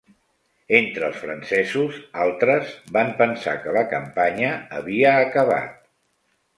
Entre els francesos, altres van pensar que la campanya havia acabat.